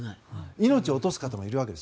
命を落とす方もいるんです